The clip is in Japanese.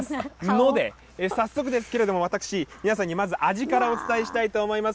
ので、早速ですけれども、私、皆さんにまず、味からお伝えしたいと思います。